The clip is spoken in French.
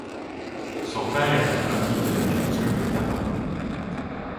Son père est un commis de la culture de tabac.